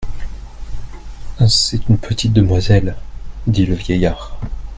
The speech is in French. C’est une petite demoiselle, dit le vieillard.